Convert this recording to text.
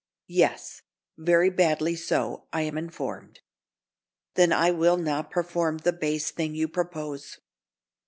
"Yes, very badly so, I am informed." "_Then I will not perform the base thing you propose.